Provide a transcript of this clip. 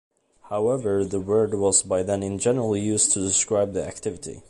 However, the word was by then in general use to describe the activity.